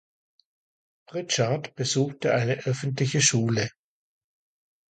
Pritchard besuchte eine öffentliche Schule.